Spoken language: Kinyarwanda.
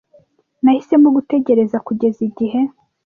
Nahisemo gutegereza kugeza igihe